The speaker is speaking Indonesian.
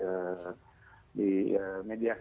jadi kalau kita mencari perjalanan transit